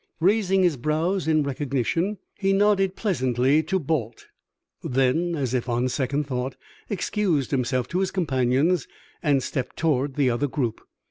Raising his brows in recognition, he nodded pleasantly to Balt; then, as if on second thought, excused himself to his companions and stepped toward the other group.